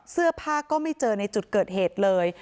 เสื้อผ้าก็ไม่เจอในจุดเกิดเหตุเลย